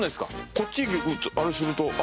こっちあれすると。